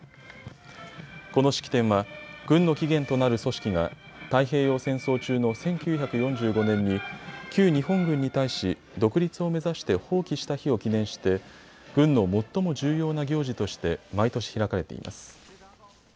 この式典は軍の起源となる組織が太平洋戦争中の１９４５年に旧日本軍に対し独立を目指して蜂起した日を記念して軍の最も重要な行事として毎年、開かれています。